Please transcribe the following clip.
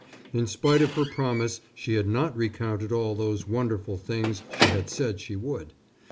In spite of her promise she had not recounted all those wonderful things she had said she would.